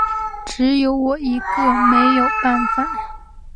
只有我一个没有办法